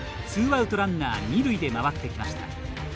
ツーアウト、ランナー、二塁で回ってきました。